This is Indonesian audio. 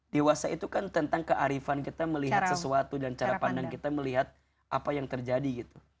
dewasa itu kan tentang kearifan kita melihat sesuatu dan cara pandang kita melihat apa yang terjadi gitu